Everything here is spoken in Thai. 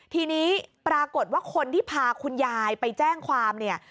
ทีนี้ปรากฏว่าคนที่พาคุณยายไปแจ้งความเนี่ย